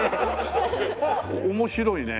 面白いね。